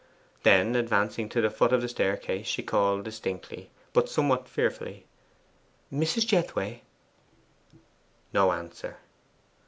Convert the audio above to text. Then advancing to the foot of the staircase she called distinctly, but somewhat fearfully, 'Mrs. Jethway!' No answer.